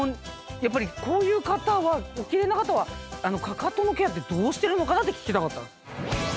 やっぱりこういう方はお奇麗な方はかかとのケアどうしてるのかなって聞きたかったんです。